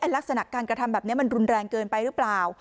ลักษณะการกระทำแบบนี้มันรุนแรงเกินไปหรือเปล่า